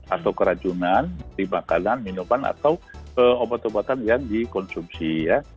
atau keracunan di makanan minuman atau obat obatan yang dikonsumsi ya